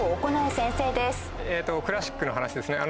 クラシックの話ですね。